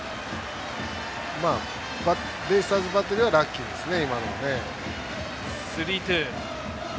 ベイスターズバッテリーはラッキーですね。